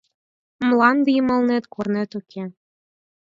Мланде йымалнет корнет уке.